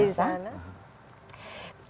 ibu saya bikinin ig jadi ibu bisa tahu gak